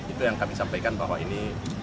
itu yang kami sampaikan bahwa ini